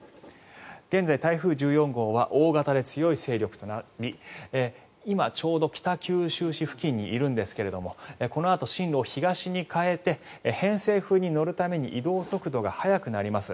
現在、台風１４号は大型で強い勢力となり今、ちょうど北九州市付近にいるんですがこのあと進路を東に変えて偏西風に乗るために移動速度が速くなります。